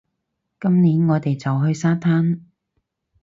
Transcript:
今年，我哋就去沙灘